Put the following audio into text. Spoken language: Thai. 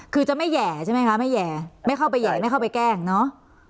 คือจะไม่แห่ใช่ไหมคะไม่แห่ไม่เข้าไปแห่ไม่เข้าไปแกล้งเนาะ